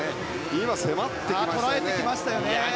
今、迫ってきてますよね。